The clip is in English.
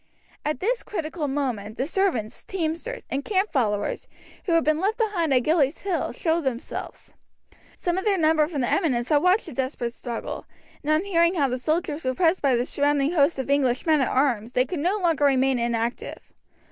At this critical moment the servants, teamsters, and camp followers who had been left behind Gillies Hill, showed themselves. Some of their number from the eminence had watched the desperate struggle, and on hearing how their soldiers were pressed by the surrounding host of English men at arms they could no longer remain inactive.